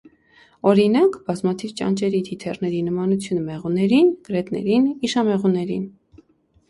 Օրինակ՝ բազմաթիվ ճանճերի, թիթեռների նմանությունը մեղուներին, կրետներին, իշամեղուներին։